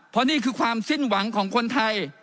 เพราะนี่คือความสิ้นหวังของคนไทย